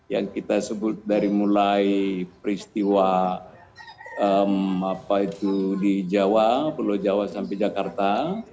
yang kita sebut dari mulai peristiwa di jawa pulau jawa sampai jakarta